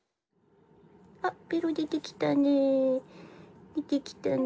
あベロ出てきたね。